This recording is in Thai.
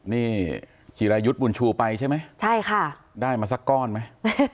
นี่จิรายุทธ์บุญชูไปใช่ไหมใช่ค่ะได้มาสักก้อนไหม